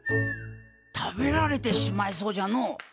食べられてしまいそうじゃのう。